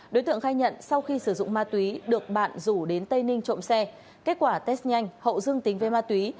đối tượng khai nhận sau khi sử dụng ma túy được bạn rủ đến tây ninh trộm xe kết quả test nhanh hậu dương tính với ma túy